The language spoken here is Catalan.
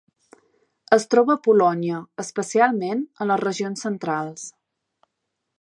Es troba a Polònia, especialment a les regions centrals.